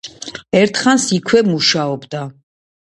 ერთხანს იქვე მუშაობდა.